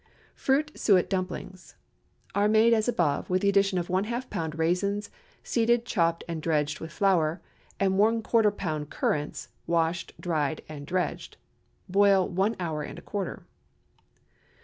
FRUIT SUET DUMPLINGS Are made as above, with the addition of ½ lb. raisins, seeded, chopped, and dredged with flour, and ¼ lb. currants, washed, dried, and dredged. Boil one hour and a quarter.